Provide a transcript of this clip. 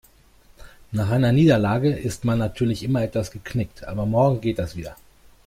Nach einer Niederlage ist man natürlich immer etwas geknickt, aber morgen geht das wieder.